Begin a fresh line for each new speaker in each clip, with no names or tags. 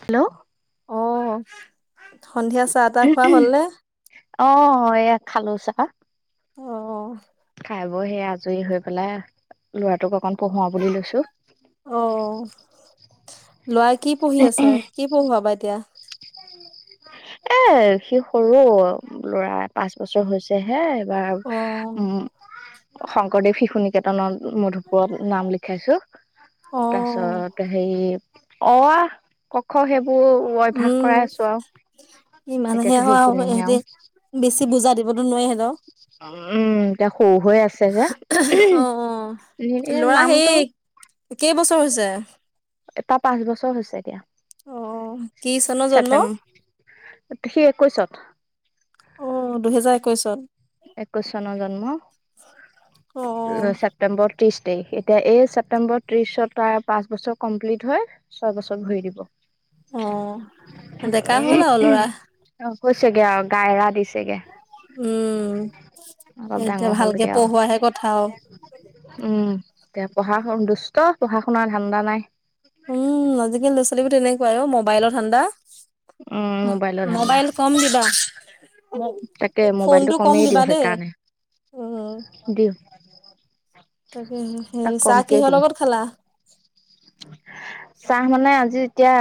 Hello
অ', সন্ধিয়া চাহ তাহ খোৱা হ'ল নে?
অ', এয়া খালো চাহ।
অ'।
খাই ব‌ই সেয়া আজৰি হৈ পেলাই লৰাটোক অকণ পঢ়োৱাবলৈ লৈছোঁ।
অ', ল'ৰা কি পঢ়ি আছে? কি পঢ়োৱাবা এতিয়া?
এ, সি সৰু ল'ৰা পাঁচ বছৰ হৈছে। হৈছে হে, এইবাৰ
অ',
উম শংকৰদেৱ শিশু নিকেতনত মধুপুৰত নাম লিখাইছোঁ
অ'।
তাৰপিছত হেৰি অ, আ, ক, খ সেইবোৰ অভ্যাস
উম,
কৰাই আছোঁ আৰু
ইমানহে
এতিয়াতো সেইখিনেহে
ইহঁতি
আৰু উম,
বেছি বুজা দিবতো নোৱাৰি সিহঁতক।
এতিয়া সৰু হৈ আছে যে,
অ',
[unintelligible] নামটো
কেই বছৰ হৈছে?
এটা পাঁচ বছৰ হৈছে এতিয়া।
অ', কি চনৰ জন্ম?
ছেপ্টম্বৰত সেই একৈশত
অ' দুহেজাৰ একৈশত
একৈশ চনত জন্ম
অ',
ছেপটেম্বৰ ত্ৰিছ তাৰিখে, এতিয়া এই ছেপটেম্বৰ ত্ৰিশত তাৰ পাঁচ বছৰ কমপ্লিট হয়। ছয় বছৰ ভৰি দিব
অ', ডেকা হ'ল আৰু ল'ৰা।
এই অ', কৈছেগে আৰু কাইৰা দিছেগে।
উম,
অলপ
এতিয়া
ডাঙৰ
ভালকে
হ'লগে আৰু
পঢ়োৱাহে কথা আৰু
উম, এতিয়া পঢ়া শুনা দুষ্ট পঢ়া শুনাৰ ধান্দা নাই।
উম, আজিকালি ল'ৰা ছোৱালীবোৰ তেনেকুৱাই অ' মোবাইলৰ ধান্দা
উম মোবাইলৰ ধান্দা
মোবাইল কম দিবা
তাকে মোবাইলটো
ফোনটো কম
কমেই দিওঁ
দিবা দেই
সেইকাৰণে
উম।
দিওঁ।
তাকেহে
তাক
সেই চাহ
কমকে
কিহৰ
দিওঁ
লগত খালা?
চাহ মানে আজি এতিয়া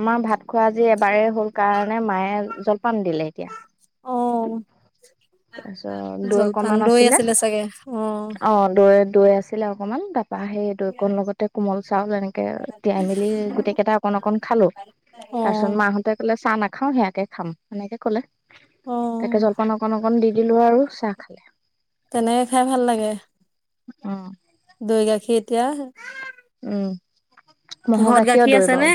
আমাৰ ভাত খোৱা আজি এবাৰেই হল কাৰণে মায়ে জলপান দিলে এতিয়া।
অ'।
তাৰ পিছত দৈ
জলপান
অকণমান
দৈ
আছিলে,
চাগে
অ' দৈ দৈ আছিলে অকণমান তাৰপা হেয়ে দৈ অকণ লগতে কোমল চাউল এনেকে, তিয়াই-মেলি গোটেই কেইটাক অকণ-অকণ খালোঁ, তাৰপিছত
অ'
মাহতে কলে চাহ নাখাওঁ সেয়াকে খাম, সেনেকে কলে তাৰ
অ'
পা জলপান অকণ অকণ দি দিলোঁ আৰু চাহ খালে।
তেনেকে খাই ভাল লাগে
অ'।
দৈ গাখীৰ এতিয়া
উম, মহৰ
ঘৰত
গাখীৰৰ
গাখীৰ
দৈ
আছে
বাও,
নে?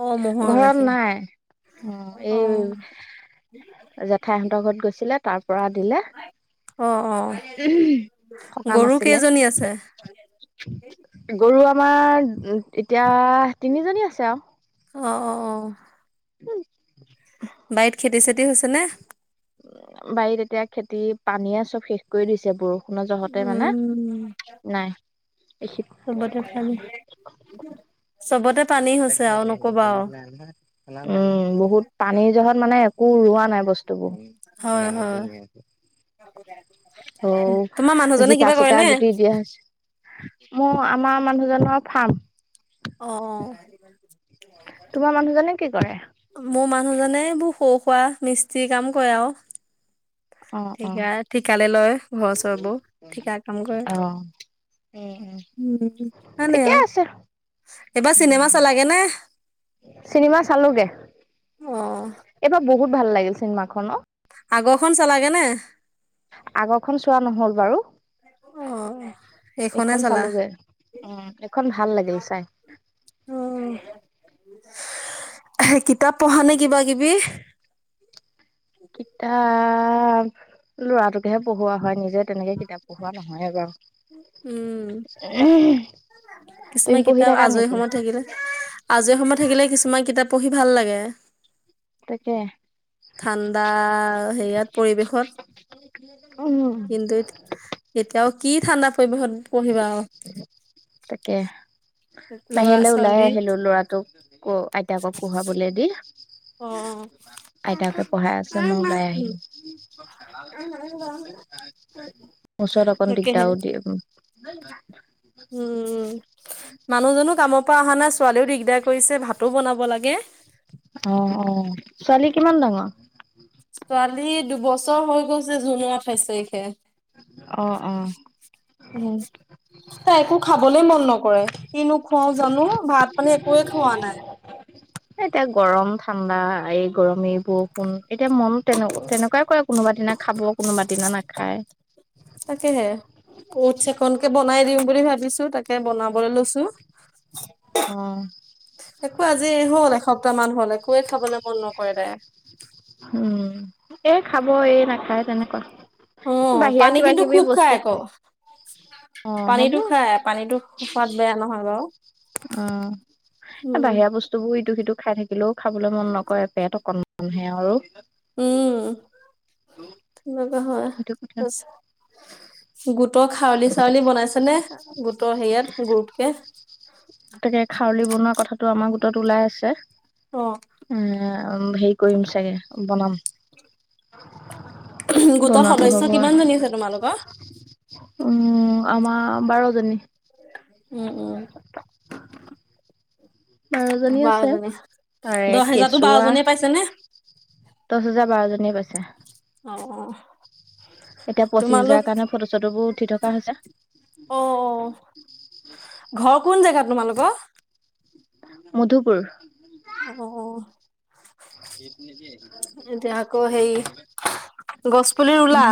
অ' ম'হৰ
ঘৰত
গাখীৰ।
নাই
অ'।
জেঠাইহঁতৰ ঘৰত গৈছিলে তাৰ পৰা দিলে
অ', অ'।
[unintelligible] সকাম
গৰু
আছিলে
কেইজনী আছে?
গৰু আমাৰ উহুম-এতিয়া তিনিজনী আছে আও
অ', অ', অ
হুম
বাৰীত খেতি-চেতি হৈছেনে?
আওম বাৰীত এতিয়া খেতি, পানীয়ে চব শেষ কৰি দিছে ব্ৰৌ সোণৰ জহতে মানে,
উম
নাই, এইখিত
চবতে পানী, চবতে পানী হৈছে আও নকবা আও
আন্ধাৰত ইমান উম বহুত পানী জহত মানে একো ৰোৱা নাই বস তুবুং,
হয়
নাঙলত
হয়।
ধৰি নিয়ে আকৌ ঔওক,
তোমাৰ মানুহজনে কিবা কৰে
জিকা-চিকা
নে?
গুতি দিয়া হৈছে। মোৰ-আমাৰ মানুহজনৰ ফাৰ্ম।
অ'।
তোমাৰ মানুহজনে কি কৰে?
মোৰ মানুহজনে এইবোৰ সৰু খোৱা মিস্ত্ৰী কাম কৰে আৰু।
অ অ
ঠিকা, ঠিকালে লয় ঘৰ-চৰবোৰ, ঠিকাত কাম কৰে।
অ' উম উম
উম-উম-উম, ইমানে
ঠিকে
আও
আছে
এইবাৰ চিনেমা
উম,
চালাগে নে?
চিনেমা চালোগে,
অ',
এইবাৰ বহুত ভাল লাগিল চিন-মা খন ন?
আগৰখন চালাগে নে?
আগৰ-খন চোৱা নহল বাৰু
অ', এইখনে
এইখন
চালা?
চালোগৈ, উম এইখন ভাল লাগিল চাই
উম, [unintelligible] কিতাপ পহা নে কিবা-কিবি?
কিতাপ, ল'ৰাটোকহে পহুৱা হয় নিজে তেনেকে কিত কিতাপ পঢ়োৱা নহয়ে বাৰু, [unintelligible]
ঔ-মা বৌলা
তুমি
কিছুমান
পঢ়ি
কিতাপ
থাকা
আজৰি
নেকি
সময়ত থাকিলে, [unintelligible] আজৰি সময়ত থাকিলে কিছুমান কিতাপ পহি ভাল লাগে।
তাকে।
ঠাণ্ডা, হেৰিয়াত পৰিৱেশত।
উম।
কিন্তুত, এতিয়াও কি ঠাণ্ডাত পৰিবেশত পঢ়িবা আও।
তাকে,
আৰু ল'ৰা
বাহিৰলৈ ওলাই
ছোৱালী
আহিলো লৰাটোক ক আইতাকক পহুৱাবলৈ দি
অ',
আইতাকে পঢ়াই আছে মই ওলাই আহিলো [unintelligible] এলাহ লাগে ওচৰত অকণ
তাকেহে
দিগদাৰো দিয়ে উম।
উম, মানুহজনো কামপ পা মানে ছোৱালীও দিগদাৰ কৰিছে ভাতো বনাব লাগে।
অ', অ', ছোৱালী কিমান ডাঙৰ?
ছোৱালী দুবছৰ হৈ গৈছে জুনৰ আঠাইশ তাৰিখে।
অ', অ'।
উম, তাই একো খাবলে মন নকৰে কিনো খুৱাও জানো? ভাত-পানী একোৱে খোৱা নাই।
এ এতিয়া গৰম ঠাণ্ডা, এই গৰম এইবোৰ কোন এতিয়া মন তেনে-তেনেকুৱাই কৰে, কোনোবা দিনা খাব কোনোবা দিনা নাখায়।
তাকেহে ওটচ্ অকণকে বনাই দিম বুলি ভাবিছো, তাকে বনাবলে লৈছো। [unintelligible]
অ'।
একো আজি হ'ল এসপ্তাহ মান হ'ল, একোৱে খাবলে মন নকৰে তাই।
উম, এই খাব এই নাখায় তেনেকুৱা।
অ',
বাহিৰা
পানী
কিবা
কিন্তু
কিবি
খুব
বস্তু
খায় আকৌ।
অ হ'ব
পানীতো খায়, পানীটো খোৱাত বেয়া নহয় বাৰু।
উম, এ
উম,
বাহিৰা বস [unintelligible] ইটো সিটো খাই থাকিলেও খাবলৈ মন নকৰে, পেট অকনমানহে আৰু।
উম, তেনেকুৱা হয়
সেইটো কথা
তাৰপিছত গো গোটৰ খাউলি-চাউলি বনাইছনে, গোটৰ হেৰিয়াত গ্ৰুপকে?
তাকে খাউলি বনোৱা কথাটো আমাৰ গোটত ওলাই আছে।
অ'।
উম, হেৰি কৰিম চাগে বনাম।
গোটৰ
বনোৱাটো
সদস্য
হ'ব
কিমানজনী আছে তোমালোকৰ?
উম, আমাৰ বাৰজনী।
উম, উম।
বাৰ জনী আছে,
বাৰজনী
তাৰে
দহ হেজাৰতো
কেঁচুৱা
বাৰজনীয়ে পাইছে নে
দশ হাজাৰ বাৰজনীয়ে পাইছে।
অ', অ'।
এতিয়া পঁচিছ
তোমালোক
হাজাৰৰ কাৰণে ফটো-চটোবোৰ উঠি থকা হৈছে।
অ', অ', ঘৰ কোন জেগাত তোমালোকৰ?
মধুপুৰ।
অ'।
[unintelligible]
এতিয়া আকৌ হেৰি গছ পুলি ৰুলা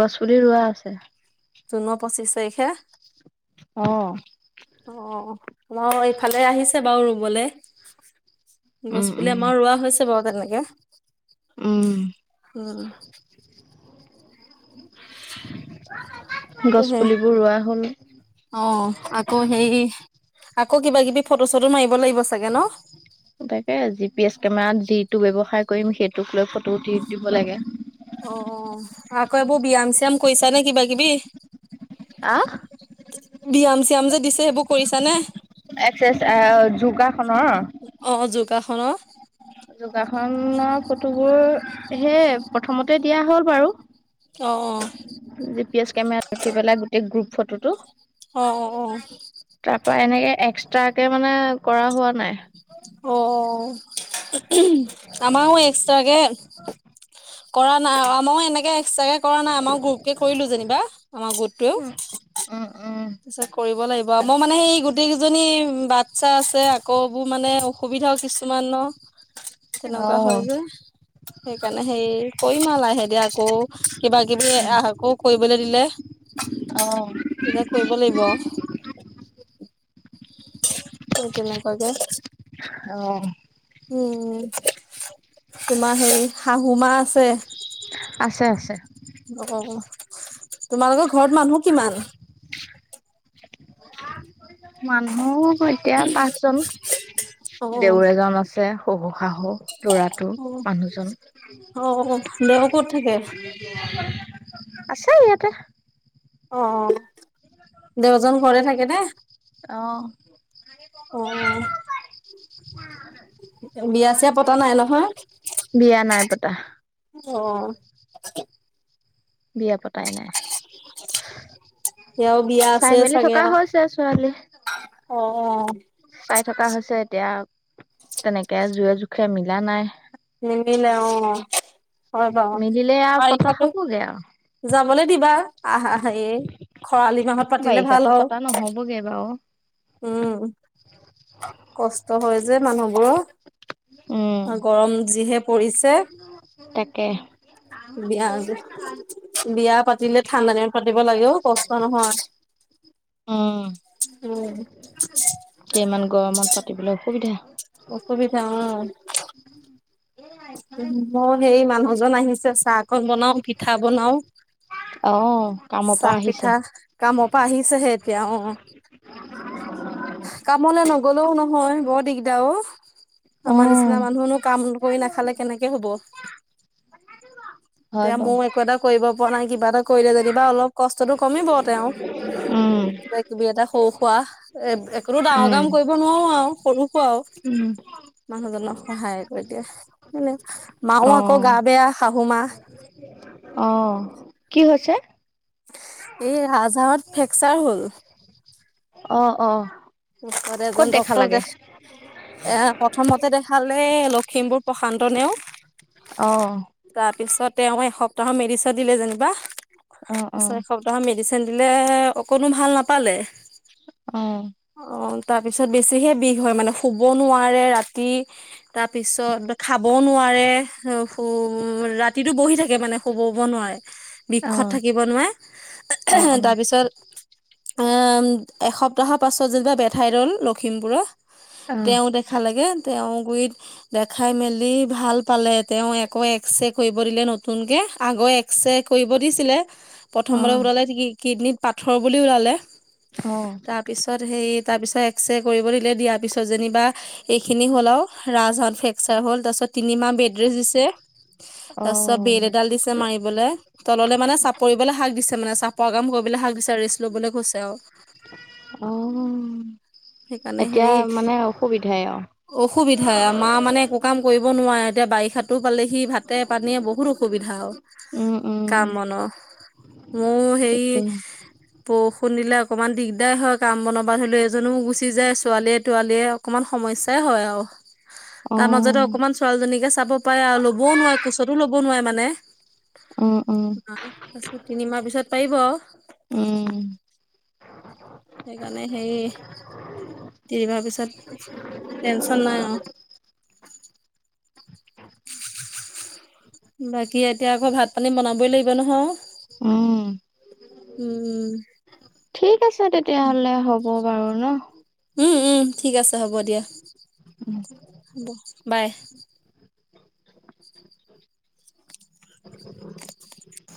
গছ-পুলি ৰোৱা আছে।
জুনৰ পঁচিশ তাৰিখে
অ'।
অ, মই এইফালে আহিছে বাৰু ৰুমলৈ। গছ
উম
পুলি
উম
আমাৰ ৰোৱা হৈছে বাৰু তেনেকে।
উম।
[unintelligible]
গছ
উম
পুলিবোৰ ৰোৱা হ'ল।
অ, আকৌ হেই আকৌ কিবা কিবি ফটো চটো মাৰিব লাগিব চাগে ন?
তাকে জি পি এছ কেমেৰাত যিটো ব্যৱসায় কৰিম সেইটোক লৈ ফটো উঠি দিব লাগে।
অ, অ, আকৌ এইবোৰ ব্যায়াম চ্যায়াম কৰিছা নে কিবা কিবি?
আহ?
ব্যয়াম চ্যায়াম যে দিছে সেইবোৰ কৰিছা নে?
এক্সাৰচাই যোগাসনৰ
অ, যোগাসনৰ।
যোগাসনৰ ফটোবোৰ হে প্ৰথমতে দিয়া হ'ল বাৰু।
অ, অ,
জি পি এছ কেমেৰাত উঠি পেলাই গোটেই গ্ৰুপ ফটোটো,
অ' অ' অ'
তাৰ পৰা এনেকে এক্সট্ৰাকে মানে কৰা হোৱা নাই।
অ, আমাৰও এক্সট্ৰাকে,
[unintelligible]
কৰা নাই অ মই এনেকে এক্সট্ৰাকে কৰা নাই আমাৰ গ্ৰুপ কে কৰিলো যেনিবা আমাৰ গোট টোৱেও।
উম উম উম
পিছত কৰিব লাগিব মোৰ মানে সেই গোটেই কেইজনীৰ বাচ্ছা আছে আকৌ বোৰ মানে অসুবিধাও কিছুমানৰ।
অ
তেনেকুৱা হয় যে সেইকাৰণে সেই কৰিম আৰু লাহে দিয়া আকৌ কিবা কিবি
উম
আকৌ কৰিবলৈ দিলে
অ
তেতিয়া কৰিব লাগিব আও। সেই তেনেকুৱাকে।
অ
উম, তোমাৰ হেৰি শাহু মা আছে।
আছে আছে।
অ তোমালোকৰ ঘৰত মানুহ কিমান?
মানুহ এতিয়া পাঁচজন
অ
দেউৰ এজন আছে। শহু শাহু লৰাটো
অ
মানুহজন।
অ দেও ক'ত থাকে
আছে ইয়াতে।
অ', অ', দেউজন ঘৰে থাকে নে।
অহ
অ বিয়া চিয়া পতা
[unintelligible]
নাই নহয়
বিয়া নাই পতা।
অহ।
বিয়া পতাই নাই।
ইয়াৰো বিয়া
চাই
আছে
মেলি
চাগে
থকা
আৰু
হৈছে ছোৱালী।
অ', অ'।
চাই থকা হৈছে এতিয়া তেনেকে জোৰে জোখে মিলা নাই।
নিমিলে অ হয় বাৰু
মিলিলে আৰু পতা
বাৰিষাতো
হ'ব গে আৰু।
যাবলৈ দিবা আহ আহ এ খৰালি মাহত পাতিলে ভাল
বাৰিষাতো
আৰু
পতা নহ'বগে বাৰু।
উম, কষ্ট হয় যে মানুহবোৰৰ।
উম,
আ গৰম যিহে পৰিছে।
তাকে। [inaudible]
বিয়া বিয়া পাতিলে ঠাণ্ডা দিনত পাতিব লাগেও কষ্ট নহয়
উম,
উম।
কেইমান গৰমত পাতিবলৈ অসুবিধা।
অসুবিধা উম। উম মোৰ সেই মানুহজন আহিছে চাহ অকন বনাও পিঠা বনাও।
অ', কামৰ পৰা
চাহ
আহিছে।
পিঠা কামৰ পৰা আহিছেহে এতিয়া অ'। কামলে নগ'লেও নহয় বৰ দিগদাৰ অ'। আমাৰ
অ',
নিচিনা মানুহনো কাম কৰি নাখালে কেনেকে হ'ব
হয়
এতিয়া
বাৰু।
ময়ো একো এটা কৰিব পৰা নাই কিবা এটা কৰিলে যেনিবা অলপ কষ্টটো কমিব তেওঁৰ।
উম।
তুমি এটা সৰু সুৰা এ একোটো ডাঙৰ
উম।
কাম কৰিব নোৱাৰো আৰু সৰু সুৰা আৰু
উম।
মানুহজনক সহায় কৰি এতিয়া সেনে মাও আকৌ
অ',
গা বেয়া শাহু মা
অ', কি হৈছে।
এই ৰাজহাঁড়ত ফ্ৰেকচাৰ হ'ল।
অ', অ'।
ওচৰত
ক'ত
এজন
দেখা
ডক্টৰ
লাগে?
দেখ এ প্ৰথমতে দেখালে লখিমপুৰ প্ৰশান্ত নেওগ
অ'।
তাৰ পিছত তেওঁ এসপ্তাহৰ মেডিচিন দিলে যেনিবা তাৰ
অ', অ',
পিছত এসপ্তাহ মেডিচিন সেণ্ডিলে অকণো ভাল নাপালে
উম।
অ', তাৰ পিছত বেছিহে বিষ হয় মানে শুব নোৱাৰে ৰাতি তাৰপিছত খাবও নোৱাৰে ৰাতিটো বহি থাকে মানে শুবও নোৱাৰে বিষত
অ',
থাকিব নোৱাৰে।
অ', অ'।
তাৰপিছত এ এসপ্তাহৰ পাছত যেতিবা বেঠাই দল লখিমপুৰত
অ',
তেওঁ দেখা লাগে তেওঁ গুৰিত দেখাই মেলি ভাল পালে তেওঁ একো এক্স-ৰে দিলে নতুন কে আগৰ এক্স ৰে কৰিব দিছিলে প্ৰথমতে
অ'।
ওলালে কিডনীত পাথৰ বুলি ওলালে
অ'।
পিছত সেই তাৰপিছত এক্স- ৰে কৰিব দিলে দিয়াৰ পিছত যেনিবা এইখিনি হ'ল আৰু ৰাজহত ফ্ৰেকচাৰ হ'ল তাৰ পিছত তিনিমাহ বেদ বেদ ৰেষ্ট দিছে তাৰপিছত বেল
অ',
এডাল দিছে মাৰিবলৈ। তললৈ মানে চাপৰিবলৈ শাক দিছে মানে চাপৰ কাম কৰিবলৈ হাক দিছে ৰেষ্ট লবলৈ গৈছে আৰু।
অ
সেইকাৰণে
এতিয়া
হেৰি
মানে অসুবিধাই আৰু
অসুবিধাই মা মানে একো কাম কৰিব নোৱাৰে এতিয়া বাৰিষাটো পালেহি ভাতে পানীয়ে বহুত অসুবিধা আৰু
উম, উম,
কাম-বনৰ মোৰ হেৰি
তাকেহে।
বৰষুণ দিলে অকমান দিগদাৰ হয় কাম বনাবা ধৰি লও এজনোও গুচি যায় ছোৱালীয়ে তোৱালীয়ে অকমান সমস্যাই হয় আৰু
অ',
তাৰ মাজতে
উম,
অকমান ছোৱালীজনীকে চাব পাৰে আৰু ল'বও নোৱাৰে কোচতো ল'ব নোৱাৰে মানে
উম,
আহ তাৰছিত তিনিমাহ পিছত পাৰিব।
উম
সেইকাৰণে সেই তিনিমাহ পিছত টেনচন নাই আৰু বাকী এতিয়া আকৌ ভাত পানী বনাবই লাগিব নহয়
উম
উম
ঠিক আছে তেতিয়াহ'লে হ'ব বাৰু ন
উম উম ঠিক আছে হ'ব দিয়া
উম
হ'ব বাই
[inaudible]